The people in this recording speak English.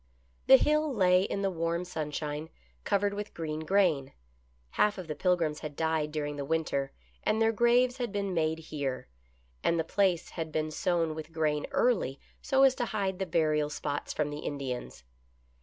The Hill lay in the warm sunshine, covered with green grain. Half of the Pilgrims had died during the winter, and their graves had been made here, and the place had been sown with grain early so as to hide the burial spots from the Indians.